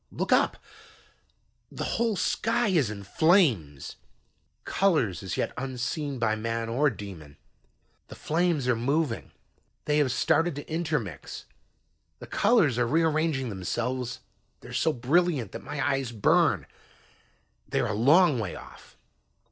Look up! The whole sky is in flames. Colors as yet unseen by man or demon. The flames are moving; they have started to intermix; the colors are rearranging themselves. They are so brilliant that my eyes burn, they are a long way off.